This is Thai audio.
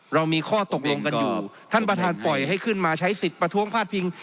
เรามีข้อตกลงกันอยู่ท่านประธานปล่อยให้ขึ้นมาใช้สิทธิ์ประท้วงพาดพิง